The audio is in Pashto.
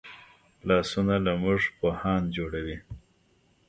لاسونه له موږ پوهان جوړوي